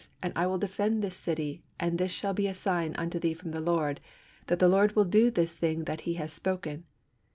and I will defend this city, and this shall be a sign unto thee from the Lord, that the Lord will do this thing that He hath spoken.